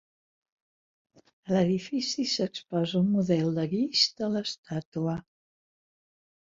A l'edifici s'exposa un model de guix de l'estàtua.